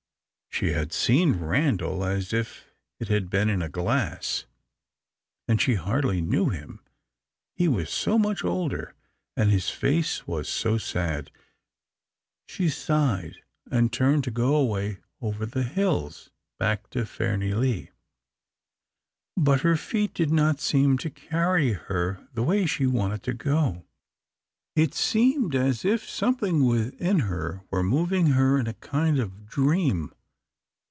She had seen Randal as if it had been in a glass, and she hardly knew him: he was so much older, and his face was so sad. She sighed, and turned to go away over the hills, back, to Fairnilee. But her feet did not seem to carry her the way she wanted to go. It seemed as if something within her were moving her in a kind of dream.